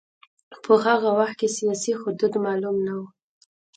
په هغه وخت کې سیاسي حدود معلوم نه و.